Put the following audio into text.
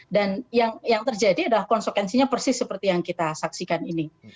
dan yang terjadi adalah konsekuensinya persis seperti yang kita saksikan ini